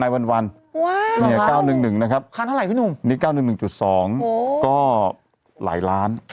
วัน๙๑๑นะครับค่าเท่าไหรพี่หนุ่มนี่๙๑๑๒ก็หลายล้าน